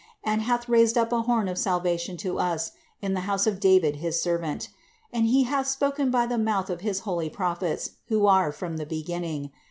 And hath raised up an horn of salvation to us, in the house of David his servant : 70. And he hath spoken by the mouth of his holy prophets, who are from the beginning; 71.